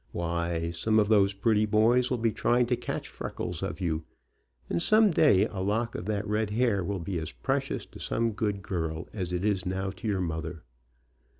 Why, some of those pretty boys will be trying to catch freckles of you, and some day a lock of that red hair will be as precious to some good girl as it is now to your mother.